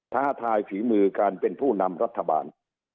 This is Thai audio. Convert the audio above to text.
ท้าทายฝีมือการเป็นผู้นำรัฐบาล